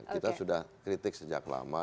kita sudah kritik sejak lama